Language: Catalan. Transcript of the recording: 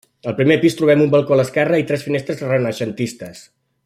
Al primer pis trobem un balcó a l'esquerra i tres finestres renaixentistes.